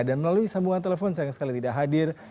dan melalui sambungan telepon sayang sekali tidak hadir